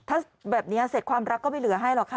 ถ้าแบบนี้เสร็จความรักก็ไม่เหลือให้หรอกค่ะ